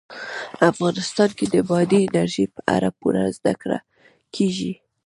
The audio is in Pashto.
افغانستان کې د بادي انرژي په اړه پوره زده کړه کېږي.